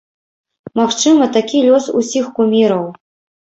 Магчыма, такі лёс усіх куміраў.